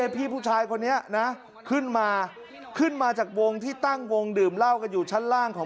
พี่ผู้ชายคนนี้นะขึ้นมาขึ้นมาจากวงที่ตั้งวงดื่มเหล้ากันอยู่ชั้นล่างของ